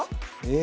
え？